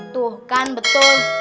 tuh kan betul